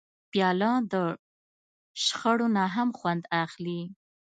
پیاله د شخړو نه هم خوند اخلي.